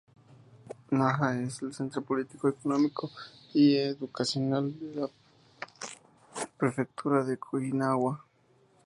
Naha es el centro político, económico y educacional de la prefectura de Okinawa.